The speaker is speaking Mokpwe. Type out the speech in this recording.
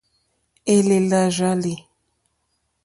Èlèlà rzàlì.